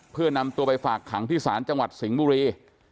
เพื่อนำตัวไปฝากขังที่ศาลจังหวัดสิงห์บุรี